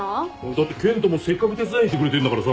だって健人もせっかく手伝いに来てくれてんだからさ。